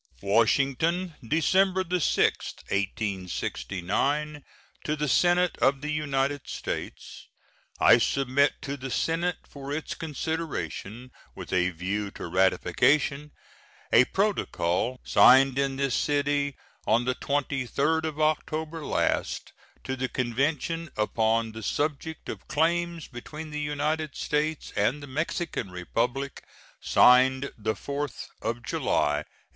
WASHINGTON, December 6, 1869. To the Senate of the United States: I submit to the Senate, for its consideration with a view to ratification, a protocol, signed in this city on the 23d of October last, to the convention upon the subject of claims between the United States and the Mexican Republic, signed the 4th of July, 1868.